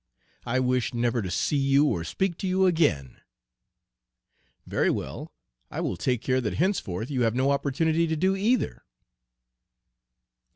I wish never to see you or speak to you again!" "Very well; I will take care that henceforth you have no opportunity to do either."